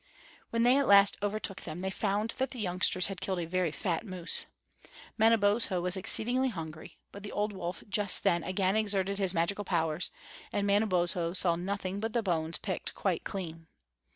When they at last overtook them, they found that the youngsters had killed a very fat moose. Manabozho was exceedingly hungry; but the old wolf just then again exerted his magical powers, and Manabozho saw nothing but the bones picked quite clean.